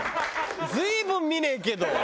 随分見ねえけど。